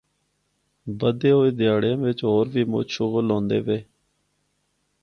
بدھے ہوئے دیہڑیاں وچ ہور وی مُچ شغل ہوندے وے۔